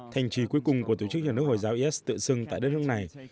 thành trí cuối cùng của tổ chức nhà nước hồi giáo is tự xưng tại đất nước này